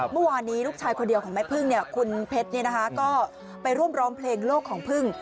เมื่อวานนี้ลูกชายคนเดียวของแม่พึ่งคุณเพชรก็ไปร่วมร้องเพลงโลกของพึ่ง